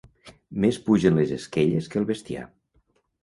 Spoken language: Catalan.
Més pugen les esquelles que el bestiar.